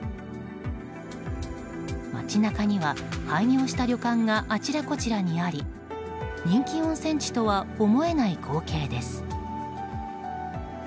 街中には、廃業した旅館があちらこちらにあり人気温泉地とは思えない光景です。